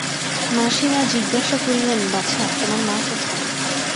মাসিমা জিজ্ঞাসা করিলেন, বাছা, তোমার মা কোথায়?